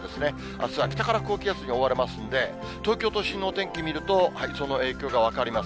あすは北から高気圧に覆われますんで、東京都心のお天気見ると、その影響が分かります。